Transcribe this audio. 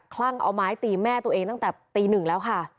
ลั่งเอาไม้ตีแม่ตัวเองตั้งแต่ตีหนึ่งแล้วค่ะ